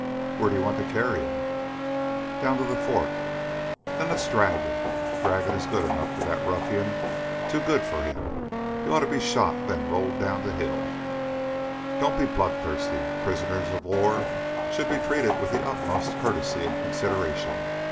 "Where do you want to carry him?" "Down to the fork." "Then let's drag him. Dragging is good enough for that ruffian too good for him. He ought to be shot, then rolled down the hill." "Don't be bloodthirsty. Prisoners of war should be treated with the utmost courtesy and consideration.